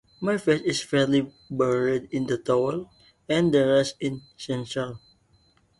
My face is partly buried in the towel, and the rest is censored.